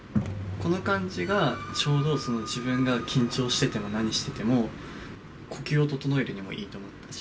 この感じが、ちょうど自分が緊張してても何してても、呼吸を整えるのにもいいと思ったし。